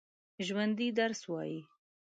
ژوندي درس وايي